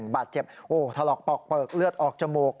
บาดเจ็บโอ้ถลอกปอกเปลือกเลือดออกจมูก